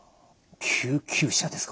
救急車ですか。